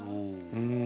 うん。